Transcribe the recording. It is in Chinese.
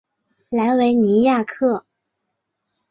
莱维尼亚克。